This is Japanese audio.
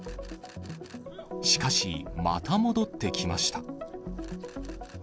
しかし、また戻ってきました。